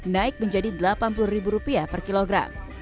naik menjadi rp delapan puluh per kilogram